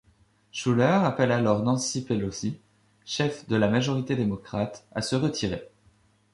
Shuler appelle alors Nancy Pelosi, chef de la majorité démocrate, à se retirer.